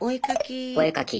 お絵描き。